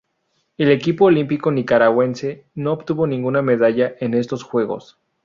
El equipo olímpico nicaragüense no obtuvo ninguna medalla en estos Juegos.